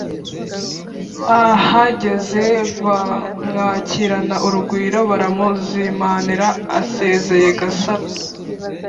ahageze bamwakirana urugwiro, baramuzimanira, asezeye Gasaro